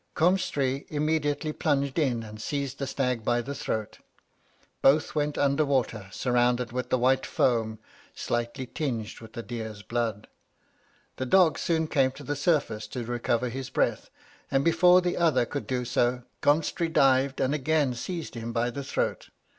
Comhstri immediately plunged in, and seized the stag by the throat; both went under water, surrounded with the white foam, slightly tinged with the deer's blood. The dog soon came to the surface to recover his breath; and before the other could do so, Comhstri dived, and again seized him by the throat.